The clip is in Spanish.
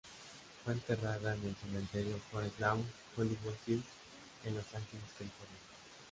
Fue enterrada en el cementerio Forest Lawn, Hollywood Hills en Los Angeles, California.